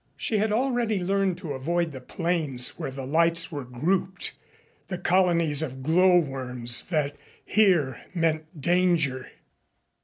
She had already learned to avoid the planes where the lights were grouped the colonies of glow worms that here meant danger.